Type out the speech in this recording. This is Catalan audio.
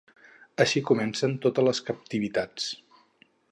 Així comencen totes les captivitats.